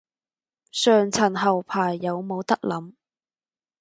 上層後排有冇得諗